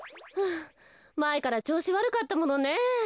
まえからちょうしわるかったものね。